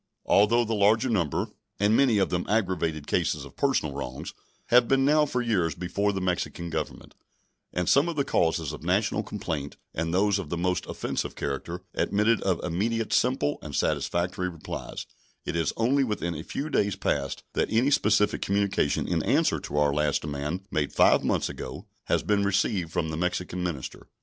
Although the larger number and many of them aggravated cases of personal wrongs have been now for years before the Mexican Government, and some of the causes of national complaint, and those of the most offensive character, admitted of immediate, simple, and satisfactory replies, it is only within a few days past that any specific communication in answer to our last demand, made five months ago, has been received from the Mexican minister.